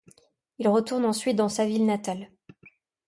Il retourne ensuite dans sa ville natale.